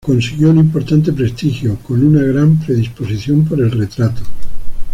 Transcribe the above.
Consiguió un importante prestigio, con una gran predisposición por el retrato.